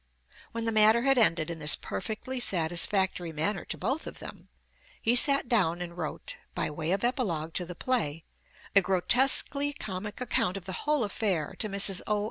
When the matter had ended in this perfectly satisfactory manner to both of them, he sat down and wrote, by way of epilogue to the play, a grotesquely comic account of the whole affair to Mrs. O.